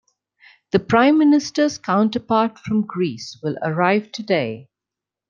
The prime minister's counterpart from Greece will arrive today.